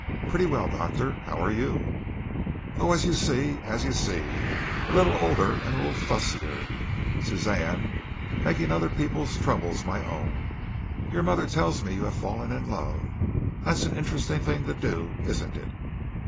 "Pretty well, doctor, how are you?" "Oh, as you see, as you see, a little older and a little fussier, Suzanne, making other people's troubles my own. Your mother tells me you have fallen in love. That's an interesting thing to do, isn't it?"